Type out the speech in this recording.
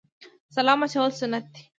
سلام اچول سنت دي